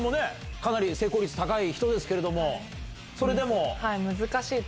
かなり成功率高い人ですけれどもそれでも？